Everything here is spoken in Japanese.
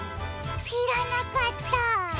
しらなかったあ。